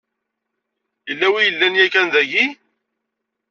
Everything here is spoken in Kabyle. Yella win i yellan yakan daki.